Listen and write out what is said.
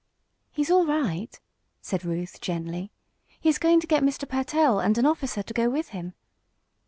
"He's all right," said Ruth, gently. "He is going to get Mr. Pertell and an officer to go with him."